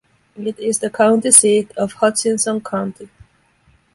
It is the county seat of Hutchinson County.